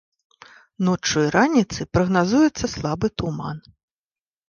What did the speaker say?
Ноччу і раніцай прагназуецца слабы туман.